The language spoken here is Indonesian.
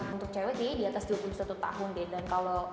untuk cewek diatas dua puluh satu tahun deh dan kalau